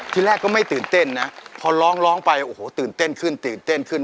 ที่แรกก็ไม่ตื่นเต้นนะพอร้องไปโอ้โหตื่นเต้นขึ้นขึ้น